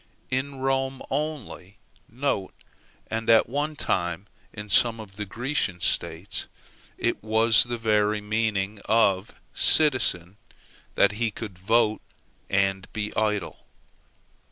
In Rome only, (and at one time in some of the Grecian states,) it was the very meaning of citizen that he could vote and be idle.